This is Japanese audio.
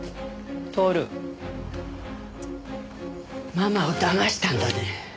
ママを騙したんだね。